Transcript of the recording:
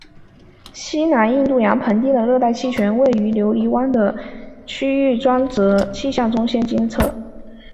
西南印度洋盆地的热带气旋由位于留尼汪的区域专责气象中心监测。